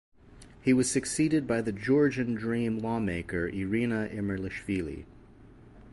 He was succeeded by the Georgian Dream lawmaker Irina Imerlishvili.